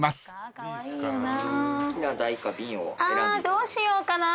どうしようかな。